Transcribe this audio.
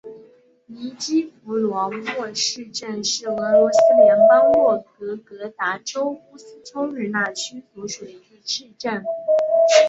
尼基福罗沃市镇是俄罗斯联邦沃洛格达州乌斯秋日纳区所属的一个市镇。